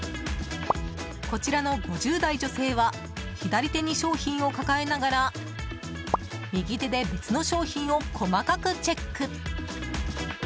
こちらの５０代女性は左手に商品を抱えながら右手で別の商品を細かくチェック。